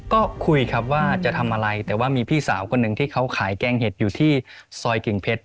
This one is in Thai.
ก็คุยครับว่าจะทำอะไรแต่ว่ามีพี่สาวคนหนึ่งที่เขาขายแกงเห็ดอยู่ที่ซอยกิ่งเพชร